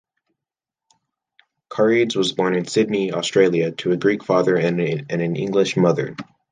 Carides was born in Sydney, Australia, to a Greek father and an English mother.